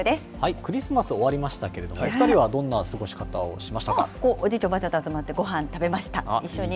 クリスマス終わりましたけれども、お２人はどんな過ごし方をおじいちゃん、おばあちゃんと集まって、ごはん食べました、一緒に。